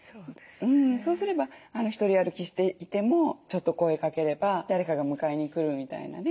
そうすれば独り歩きしていてもちょっと声かければ誰かが迎えに来るみたいなね。